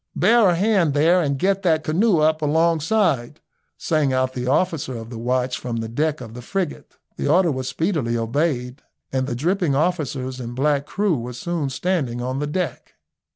"Bear a hand there and get that canoe up alongside," sang out the officer of the watch from the deck of the frigate. The order was speedily obeyed, and the dripping officers and black crew were soon standing on the deck.